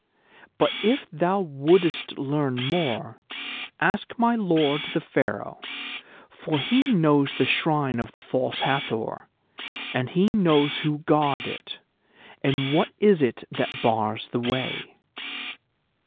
But if thou wouldest learn more, ask my Lord the Pharaoh, for he knows the Shrine of the False Hathor, and he knows who guard it, and what is it that bars the way."